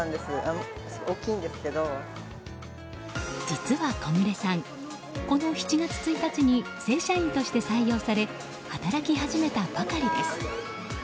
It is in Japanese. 実は小暮さん、この７月１日に正社員として採用され働き始めたばかりです。